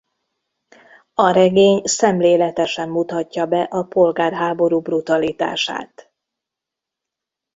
A regény szemléletesen mutatja be a polgárháború brutalitását.